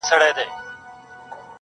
چي د صبر شراب وڅيښې ويده سه.